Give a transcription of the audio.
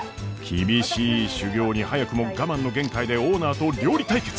厳しい修業に早くも我慢の限界でオーナーと料理対決！